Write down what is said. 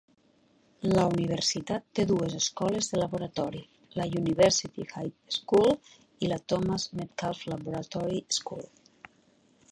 La universitat té dues escoles de laboratori: la University High School i la Thomas Metcalf Laboratory School.